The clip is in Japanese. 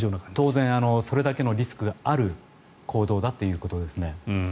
当然、それだけのリスクがある行動だということですね。